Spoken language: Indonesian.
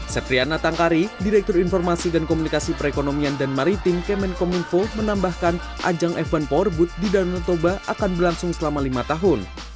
setriana tangkari direktur informasi dan komunikasi perekonomian dan maritim kemenkominfo menambahkan ajang f satu powerboat di danau toba akan berlangsung selama lima tahun